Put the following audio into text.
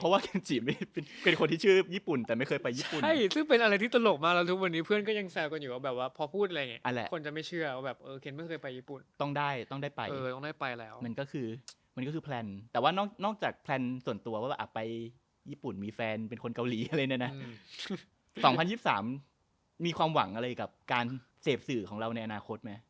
ว่าอ่ะไปญี่ปุ่นมีแฟนเป็นคนเกาหลีอะไรแน่นะอืมสองพันยี่สิบสามมีความหวังอะไรกับการเสพสื่อของเราในอนาคตไหม